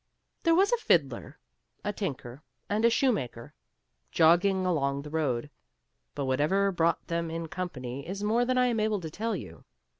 There was a fiddler, a tinker, and a shoemaker jogging along the road, but whatever brought them in company is more than I am able to tell you.